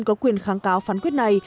có quyền kháng cáo phán quyết này